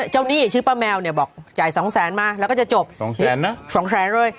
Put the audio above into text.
หนี้ชื่อป้าแมวเนี่ยบอกจ่ายสองแสนมาแล้วก็จะจบสองแสนนะสองแสนเลย